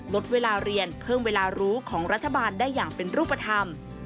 ลดเวลาเรียนเพิ่มเวลารู้ของรัฐบาลได้อย่างเป็นรูปธรรม